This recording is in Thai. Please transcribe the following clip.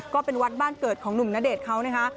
ก็เป็นวัดบ้านเกิดของหนุ่มณเดชน์เขานะคะ